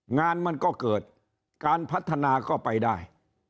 งานมันก็เกิดการพัฒนาก็ไปได้